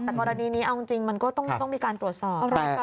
แต่กรณีนี้เอาจริงมันก็ต้องมีการตรวจสอบ